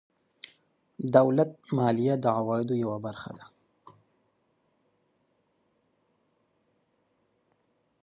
دولت مالیه د عوایدو یوه برخه ده.